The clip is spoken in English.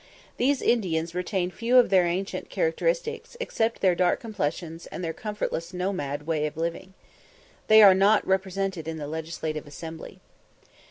These Indians retain few of their ancient characteristics, except their dark complexions and their comfortless nomade way of living. They are not represented in the Legislative Assembly.